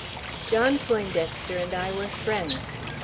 "John Poindexter and I were friends.